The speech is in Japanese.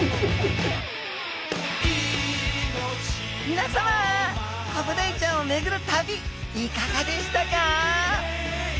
みなさまコブダイちゃんをめぐる旅いかがでしたか？